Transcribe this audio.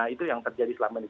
itu yang terjadi selama ini